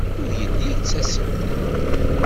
Ur yelli yettasem.